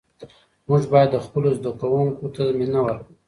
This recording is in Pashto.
موږ باید خپلو زده کوونکو ته مینه ورکړو.